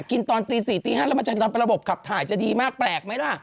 ตอนตี๔ตี๕แล้วมันจะทำระบบขับถ่ายจะดีมากแปลกไหมล่ะ